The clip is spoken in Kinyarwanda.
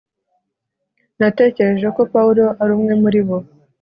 natekereje ko pawulo ari umwe muri bo